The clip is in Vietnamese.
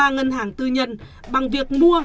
ba ngân hàng tư nhân bằng việc mua